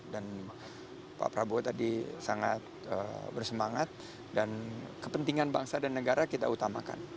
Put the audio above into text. dan pak prabowo tadi sangat bersemangat dan kepentingan bangsa dan negara kita utamakan